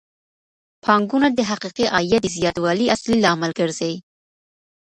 پانګونه د حقيقي عايد د زياتوالي اصلي لامل ګرځي.